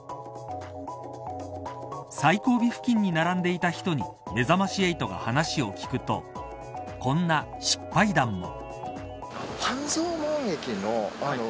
最後尾付近に並んでいた人にめざまし８が話を聞くとこんな失敗談も。